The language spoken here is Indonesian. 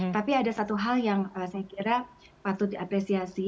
tapi ada satu hal yang saya kira patut diapresiasi